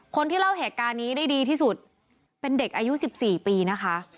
คนที่เล่าเหตุการณ์นี้ได้ดีที่สุดเป็นเด็กอายุ๑๔ปีนะคะ